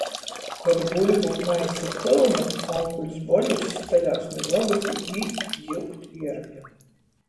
Kod buļvu maisi ir pylni, onkuļs Boļuss ceļās nu vogys i īt jiugt Iergļa.